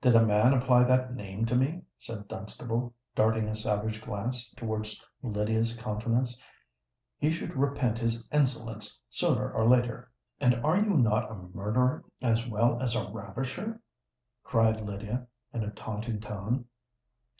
"Did a man apply that name to me," said Dunstable, darting a savage glance towards Lydia's countenance, "he should repent his insolence sooner or later." "And are you not a murderer as well as a ravisher?" cried Lydia, in a taunting tone.